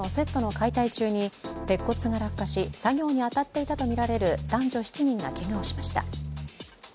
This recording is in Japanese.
解体中に鉄骨が落下し、作業に当たっていたとみられる男女７人がけがをしました。